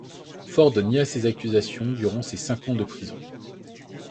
Ford nia ces accusations durant ces cinq ans de prison.